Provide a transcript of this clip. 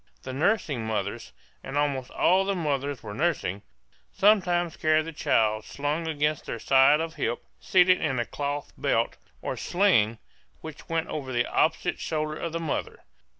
The nursing mothers and almost all the mothers were nursing sometimes carried the child slung against their side of hip, seated in a cloth belt, or sling, which went over the opposite shoulder of the mother.